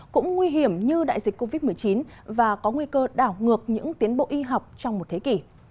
cũng nguy hiểm như đại dịch covid một mươi chín và có nguy cơ đảo ngược những tiến bộ y học trong một thế kỷ